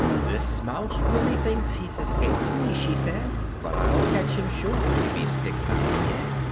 "This mouse really thinks he's escaped me," she said, "But I'll catch him sure if he sticks out his head!"